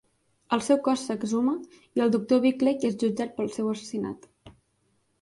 El seu cos s'exhuma i el doctor Bickleigh és jutjat pel seu assassinat.